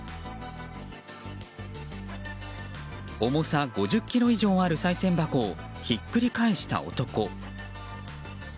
重さ５０ｋｇ以上あるさい銭箱をひっくり返した男。